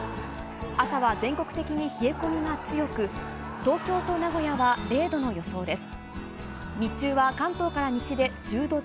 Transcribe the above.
朝は全国的に冷え込みが強く東京と名古屋は０度の予想です。